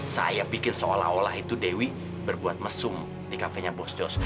saya bikin seolah olah itu dewi berbuat mesum di kafenya bos jos